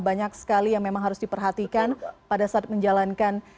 banyak sekali yang memang harus diperhatikan pada saat menjalankan